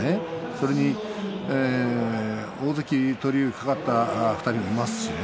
それに大関取りが懸かった２人がいますしね。